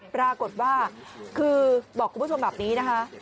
ปรากฏว่าคือบอกคุณผู้ชมแบบนี้นะคะ